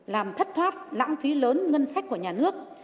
làm thất thoát lãng phí lớn ngân sách của nhà nước